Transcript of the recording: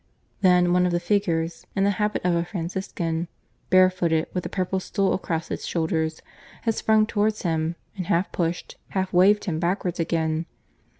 Then one of the figures in the habit of a Franciscan, barefooted, with a purple stole across its shoulders had sprung towards him, and half pushed, half waved him backwards again.